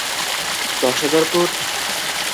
দশ হাজার ফুট!